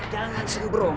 jangan sering beromong